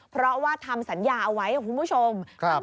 เพราะว่าทำสัญญาเอาไว้คุณผู้ชม